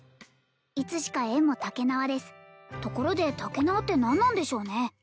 いつしか宴もたけなわですところでたけなわって何なんでしょうね？